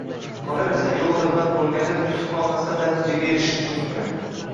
qolaversa, yoʻl tirband boʻlganda kutib qolmasdan natijaga erishish mumkin.